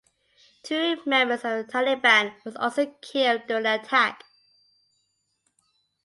Two members of the Taliban were also killed during the attack.